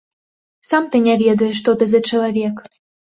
Сам ты не ведаеш, што ты за чалавек.